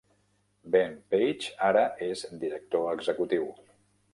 Ben Page ara és director executiu.